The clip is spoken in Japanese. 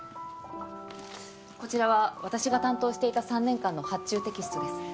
こちらは私が担当していた３年間の発注テキストです。